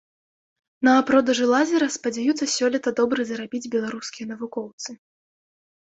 На продажы лазера спадзяюцца сёлета добра зарабіць беларускія навукоўцы.